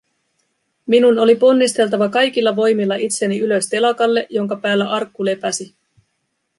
Minun oli ponnisteltava kaikilla voimilla itseni ylös telakalle, jonka päällä arkku lepäsi.